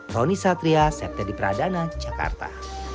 roni satria septya di pradana jakarta